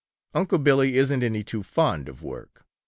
Unc' Billy isn't any too fond of work.